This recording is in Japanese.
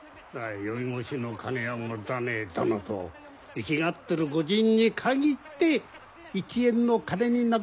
宵越しの金は持たねえだのと粋がってる御仁に限って一円の金に泣く。